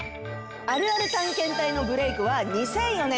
あるある探検隊のブレイクは２００４年。